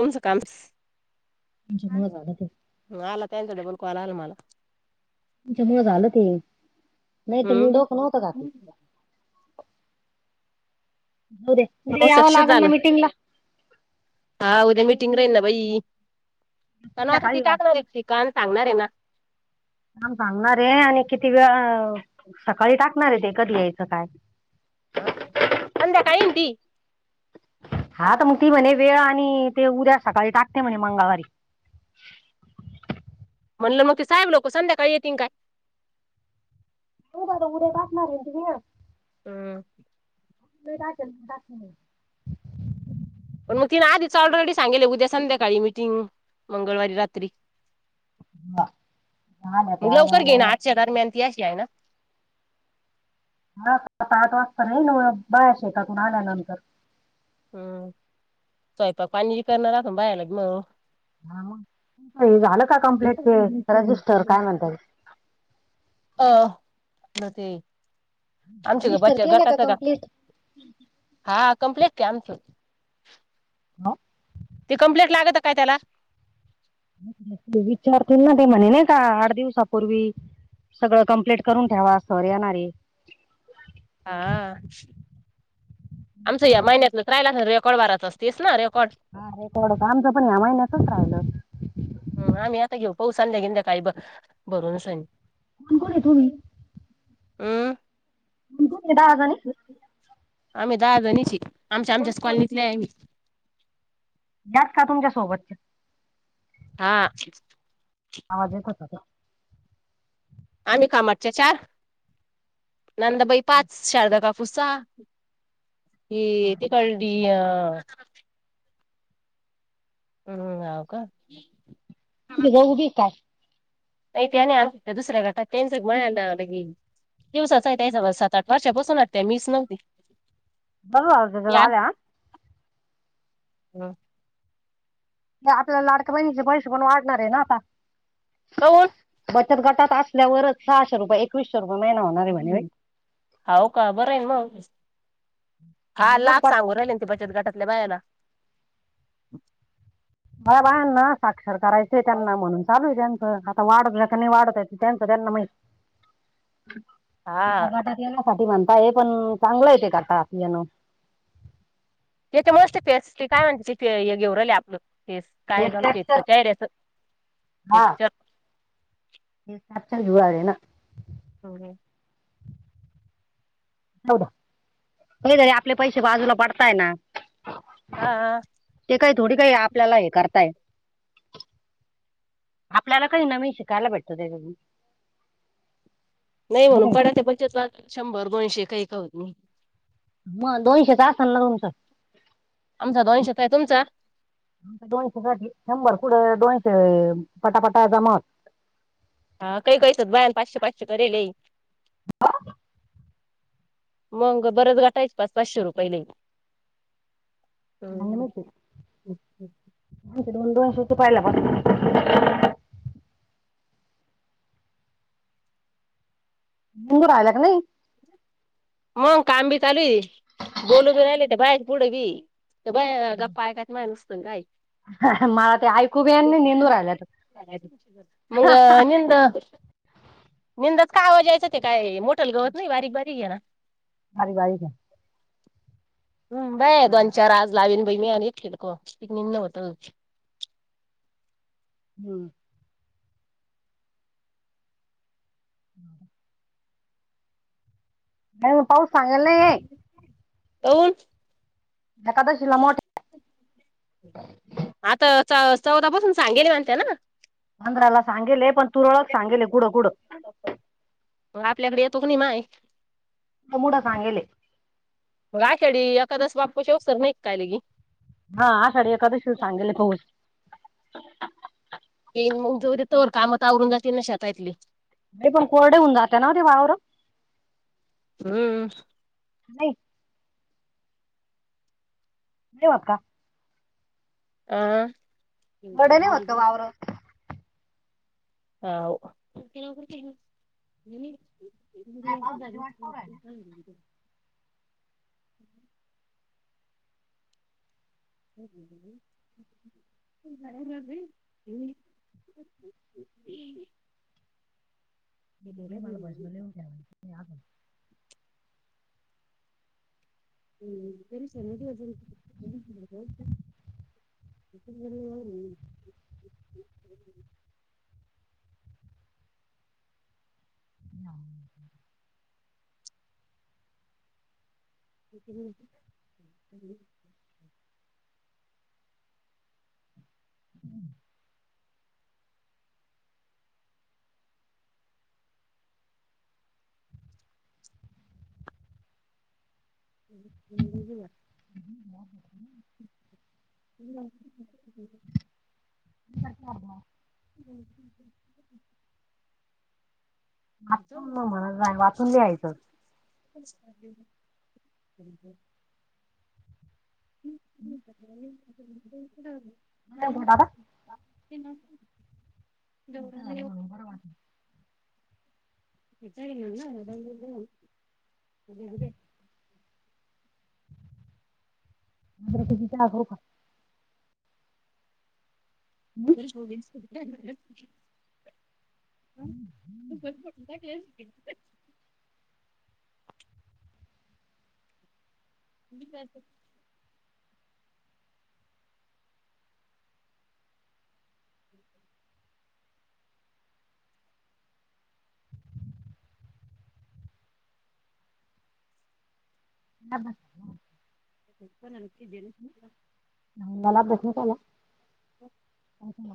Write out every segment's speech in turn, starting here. Homes कामस तुमच्या मुळ झालं सगळ [unintelligible] ज म झालं ते नाही तर मी हम्म डोक नव्हतं घातलं राहुदे पण म सक्सेस झालं हा उद्या मिटिंग राहील ना बाई पण आता ती संध्याकाळी वाट टाकणार आहे [unintelligible] सांगणार आहे ना काम सांगणार आहे आणि किती वेळ सकाळी टाकणार आहे ते कधी यायचं काय ह संध्याकाळी आहे ना ती हा तर मग ती म्हणे वेळ आणि ते उद्या सकाळी टाकते म्हणे मंगळवारी म्हणलं मग ते साहेब लोक संध्याकाळी येतील काय तेच आता उद्या टाकणार आहे [unintelligible] हम्म. [inaudible] पण मग तिनं ऑलरेडी सांगितलं उद्या संध्याकाळी मिटिंग मंगळवारी रात्री आल्या मग त्या आल्या लवकर घे आल्या. ना आठच्या दरम्यान ती अशी आहे ना हा सात आठ वाजता नाही बाया शेतातून आल्यानंतर हम्म स्वयंपाक पाणी जी करणार आपण बाया [unintelligible] हा मग हे झालं का कमप्लेट ते रजिस्टर काय म्हणताय हा म ते आमच्या रजिस्टर बचत केले गटाच का कम्प्लीट हा कम्प्लीट की आमच हो. ती कमप्लेट लागत काय त्याला ते विचारतील ना ते म्हणे नाही का आठ दिवसापूर्वी सगळं कंप्लीट करून ठेवा सर येणारे हा आमचं या महिन्यातलं राहिला का रेकॉर्ड भरायचा असतेस ना रेकॉर्ड हा रेकॉर्ड होत आमचा पण ह्या महिन्यातच राहिलं हम आम्ही आता घेऊ पाहू संध्या बिंध्याकाळी भरून स [unintelligible] तुम्ही हम्म. ते दहाजणी आम्ही दहा जणीची आमच्या कोण- आमच्याच कॉलनीतले आहे आम्ही त्याच का तुमच्या सोबत हा. आवाज येतोय का आम्ही कामाटच्या चार नंदबाई पाच शारदा काकू सहा हे ते कळली अह हम्म हव का नाही [unintelligible] [unintelligible] दुसऱ्या गटात [unintelligible] दिवसाचा आहे स सात आठ [unintelligible] मीच नव्हती [unintelligible] हम्म. त्या आपल्याला लाडक्या बहिणीचे पैसे पण वाढणार आहे ना आता [unintelligible] बचत गटात असल्यावर सहाशे रुपये एक कुशवरुप महि हो ना. हम्म हाव का बरं आहे मग हा म्हणूनच लाख गट सांगून राहिल ना ते, बचत घटातल्या बायाला. मला बाहेंना साक्षर करायचंय, त्यांना म्हणून चालू आहे. त्यांचं वाढत नाही का नाही, वाढत त्यांच त्यांना माहित. हा पिण्यासाठीठी म्हणता, हे पण चांगलं येते कातानो त्याे मोस्ट फेसट काय म्हणते तिथ गेवले आपलं ते काय हेच गमतोय कॅप्चर र्याच ते हे साच्या जुवा आहे ना? हो नाही तरी आपले, पैसे बाजूला पडताय ना. हा ते काही थोडी काही, आपल्याला हे करताय. आपल्याला काही, नवी शिकायला भेतं ते अून. नाही म्हणून पड ते बत, शंभर दोनशे काही काहत मी मग दोनशेचा असल ना तोमचं आमचा द्वनशत आहे तुमचा डोश सासाठी शंभर पुुढं डोस पटापटा जमत हा काही कहीसात बायान पाचशे पाचशे करेल ह मग बरच गाटायच पाच पाचशे रुपयला नाही माती दोन दोनशच पाहिला मंगू राहिला क नाही. मंग काम बी चालू बोलू ब राहिले बाहे पुढे बी बा गप्पाय काय माय नुसतं ना काई मला ते ऐकू बी आणि निंदू राहिला मंग निंद निंदाच का आवाज यायचा ते काय, मोटल गावत नाही बारीक बारीक घ ना हारी वाारी का हम बाय दोन चार आज, लावीन ब मी आणि खेको पिकन न होत. हम्म. ह का मग पाऊस सांगयला. अऊन. दाश म आता च चौदा पासून सांगेली म्हणत ना? बंध्राला सांगेले पण, तुरळक सांगेले गुडं गुडं मग आपल्याकडे येतो कणी माय मुडा सांगेले मग आ खेडी एखादस बाप्पाची, अवसर नाही काय लगी हा आाड कधी सांगेले पाूच. प मग जो तरवर कामात आवरून जातील ना शतातेतले. अ पण कोरडेऊन जाते ना ते वावर हम् नाही देव का आं वडे नाही होत का वावरून हा [unintelligible] नाही जारीच पावसाची वाट पाहू राहिली. [unintelligible] मला भज येव घ्याद [unintelligible] हम्म तेरी सज [unintelligible] ह [unintelligible] हा [unintelligible] हम् ह् बुजवा [unintelligible] ह म [unintelligible] ह [unintelligible] हो आपून म्हण वाचून लिहायचं. हम्म दादा तुमचं झालं म्हणून बरं वाटलं. [unintelligible] मर तती करो का [inaudible] हं? गोंद [unintelligible] इन स [unintelligible] ी करसक [inaudible] ह ब [unintelligible] प ननकी देेन [unintelligible] ह मला बसन केला [unintelligible] ह काय केला?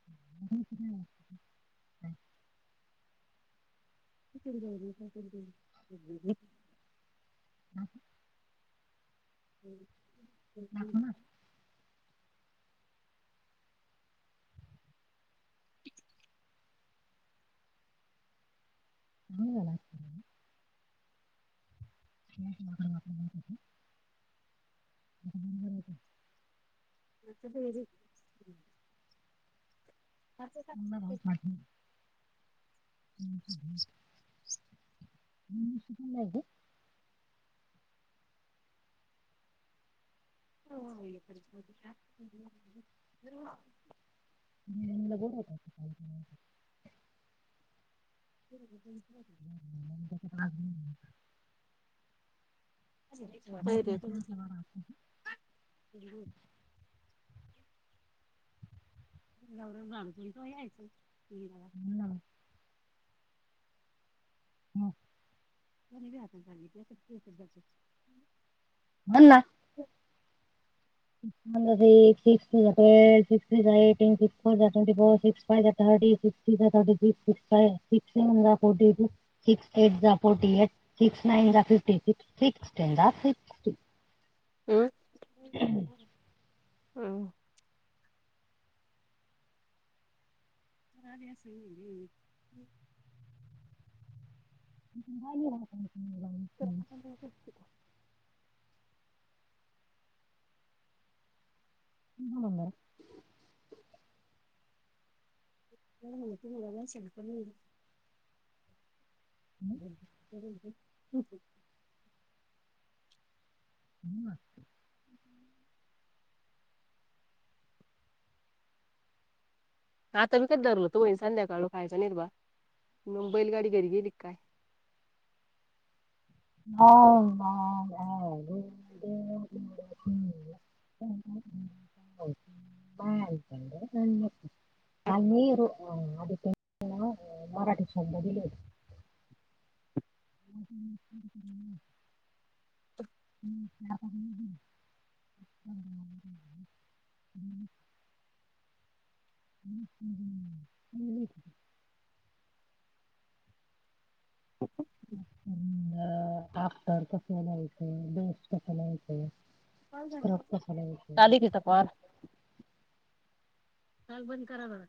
[unintelligible] घे, हम्, हम्, दाखव ना. थांब जरा पेरी अला बत मझ [unintelligible] ण ला हो बोला हो, आं,, [unintelligible] बरे गौरव झाण त तो यायच. [unintelligible] म्हण हम्म. कुणीबी आत आण [inaudible] बोल ना. सिक्स वन्स सिक्स टू जा ट्वेल्व सिक्स थ्रीजा एटीन सिक्स फोरजा ट्वेंटी फोर सिक्स फायजा थर्टी सिक्स सिक्सजा थर्टी सिक्स सिक्स्टा सिक्स सेवेंजा फोर्टी टू सिक्स एटजा फोर्टी एट सिक्स नाईनजा फिफ्टी सिक्स सिक्स टेनजा सिक्स हम्म. तू का आली आसल म्हणलं म्या. [unintelligible] [unintelligible] [inaudible] [unintelligible] म्हायती हाय मुलाला [unintelligible] [unintelligible] ऊआं. आता मी कधी धरल होतो, वहीण संध्या कालो खायचा निग बा, मंग बैलगाडी घरी गेली का काय. [unintelligible] [unintelligible] [unintelligible] अं मराठी शब्द दिले होते. [unintelligible] [unintelligible] [unintelligible] आ अँक्टर कस लिहायचंय, बेस्ट कस लिहायचंय. काली कित पार ताल बंद करा म्हणा.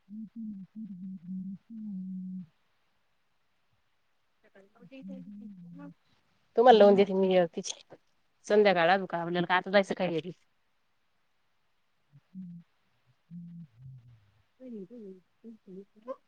[unintelligible] तुम्हाला लाऊन देती मी यावतीची संध्याकाळ आजुन का [unintelligible] आसच जायचं काय ही? [unintelligible] [unintelligible]